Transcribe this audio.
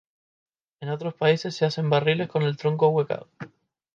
En otros países se hacen barriles con el tronco ahuecado.